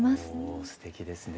おすてきですね。